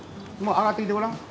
上がってきてごらん。